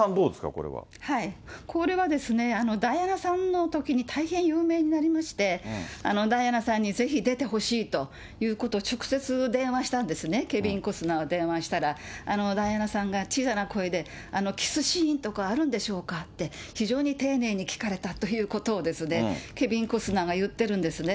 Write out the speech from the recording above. これこれはダイアナさんのときに大変有名になりまして、ダイアナさんにぜひ出てほしいということ、直接電話したんですね、ケビン・コスナーが電話したら、ダイアナさんが小さな声で、キスシーンとかあるんでしょうかって、非常に丁寧に聞かれたということをですね、ケビン・コスナーが言ってるんですね。